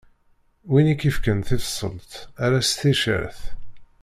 Win i k-ifkan tibṣelt, err-as ticcert.